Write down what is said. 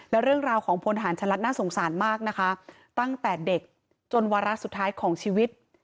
และเรื่องราวของพลฐานชะลัดน่าสงสารมากนะคะตั้งแต่เด็กจนวาระสุดท้ายของชีวิต